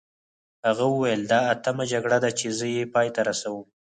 هغه وویل دا اتمه جګړه ده چې زه یې پای ته رسوم.